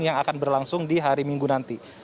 yang akan berlangsung di hari minggu nanti